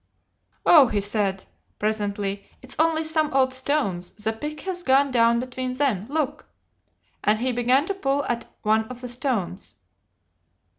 'Oh,' he said presently, 'it's only some old stones; the pick has gone down between them, look!' and he began to pull at one of the stones.